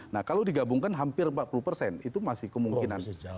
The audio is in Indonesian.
nah kalau digabungkan hampir empat puluh persen itu masih kemungkinan